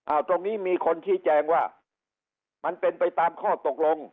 ตรงนี้มีคนชี้แจงว่ามันเป็นไปตามข้อตกลง